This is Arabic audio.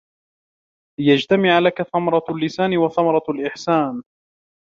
لِيَجْتَمِعَ لَك ثَمَرَةُ اللِّسَانِ وَثَمَرَةُ الْإِحْسَانِ